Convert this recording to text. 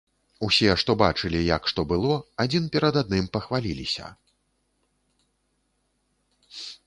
Усе, што бачылі, як што было, адзін перад адным пахваліліся.